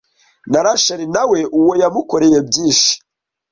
Na Rasheli nawe uwo yamukoreye byinshi